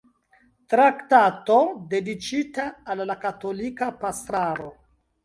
Traktato dediĉita al la katolika pastraro".